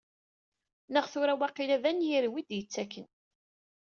Neɣ tura waqila d anyir-iw i d-yettaken.